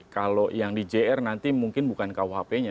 kalau yang di jr nanti mungkin bukan kuhp nya